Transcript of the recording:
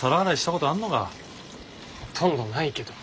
ほとんどないけど。